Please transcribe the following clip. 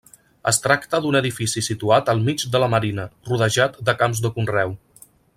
Es tracta d'un edifici situat al mig de La Marina, rodejat de camps de conreu.